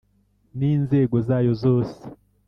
N inzego zayo zose